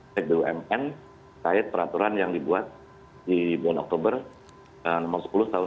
terkait peraturan yang dibuat di bulan oktober nomor sepuluh tahun dua ribu dua puluh